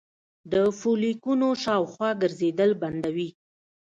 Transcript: د فولیکونو شاوخوا ګرځیدل بندوي